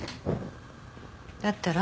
だったら？